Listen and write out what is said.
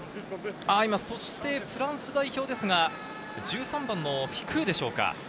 フランス代表ですが、１３番のフィクーでしょうか。